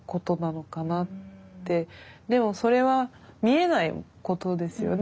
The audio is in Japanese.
でもそれは見えないことですよね。